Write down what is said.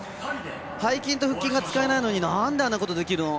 背筋と腹筋が使えないのになんであんなことできるの？